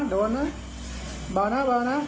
โดนนะเบานะเบานะ